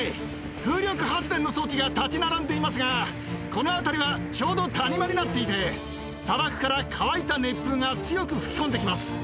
風力発電の装置が立ち並んでいますが、この辺りはちょうど谷間になっていて、砂漠から乾いた熱風が強く吹き込んできます。